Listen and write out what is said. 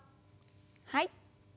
はい。